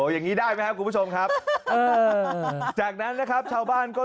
อย่างนี้ได้ไหมครับคุณผู้ชมครับเออจากนั้นนะครับชาวบ้านก็